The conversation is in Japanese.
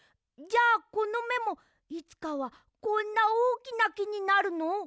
じゃあこのめもいつかはこんなおおきなきになるの？